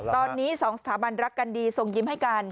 ตอนนี้๒สถาบันรักกันดีส่งยิ้มให้กัน